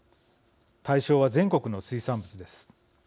対象は全国の水産物です。